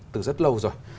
từ rất lâu rồi